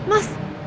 terima kasih ya pak